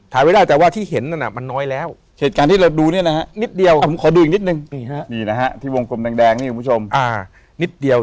ขอดูอีกนิดนึงนี่นะฮะที่วงกลมแดงนี่คุณผู้ชมอ่านิดเดียว